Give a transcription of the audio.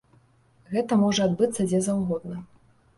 Гэта можа адбыцца дзе заўгодна.